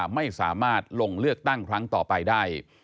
ไม่สามารถลงเลือกตั้งครั้งต่อไปได้